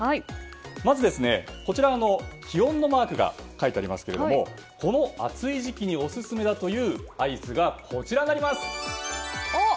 まずこちら、気温のマークが書いてありますがこの暑い時期にオススメだというアイスがこちらになります！